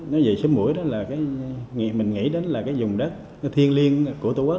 nói về số mũi đó là mình nghĩ đến là cái vùng đất thiên liêng của tổ quốc